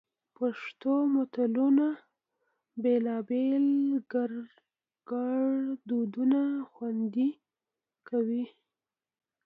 پښتو متلونه بېلابېل ګړدودونه خوندي کوي